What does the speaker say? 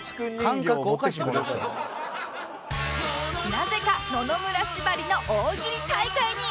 なぜか野々村縛りの大喜利大会に